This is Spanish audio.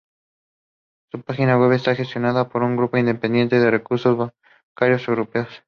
Su página web está gestionada por un grupo independiente de Recursos Bancarios Europeos.